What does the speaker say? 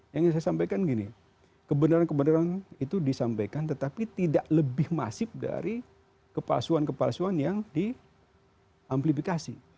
yang ingin saya sampaikan gini kebenaran kebenaran itu disampaikan tetapi tidak lebih masif dari kepalsuan kepalsuan yang di amplifikasi